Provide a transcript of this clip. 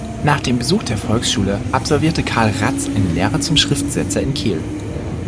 Nach dem Besuch der Volksschule absolvierte Karl Ratz eine Lehre zum Schriftsetzer in Kiel.